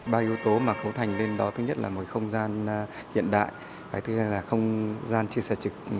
ba yếu tố mà cấu thành lên đó thứ nhất là một không gian hiện đại thứ hai là không gian chia sẻ trực